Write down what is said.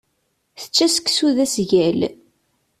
Tečča seksu d asgal.